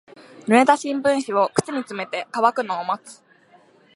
濡れた新聞紙を靴に詰めて乾くのを待つ。